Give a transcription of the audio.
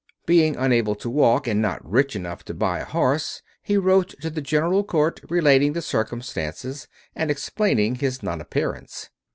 Being unable to walk, and not rich enough to buy a horse, he wrote to the General Court, relating the circumstances, and explaining his non appearance.